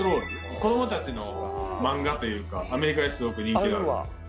子供たちの漫画というかアメリカですごく人気なんです。